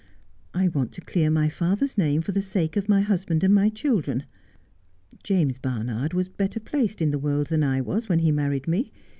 I want to clear my father's name for the sake of my husband and my children. James Barnard was better placed in the world than I was when he married me.